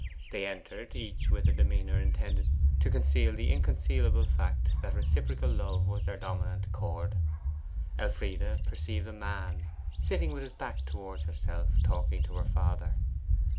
They entered, each with a demeanour intended to conceal the inconcealable fact that reciprocal love was their dominant chord. Elfride perceived a man, sitting with his back towards herself, talking to her father.